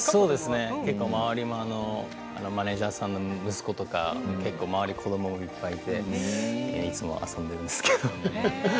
周りのマネージャーさんの息子とか結構周り、子どもがいっぱいいていつも遊んでいますけど。